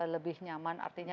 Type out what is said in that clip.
lebih nyaman artinya